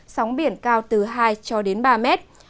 sóng biển cao từ hai cho đến ba mét